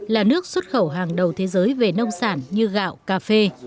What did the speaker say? là nước xuất khẩu hàng đầu thế giới về nông sản như gạo cà phê